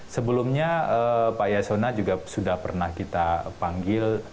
sebelumnya pak yasona juga sudah pernah kita panggil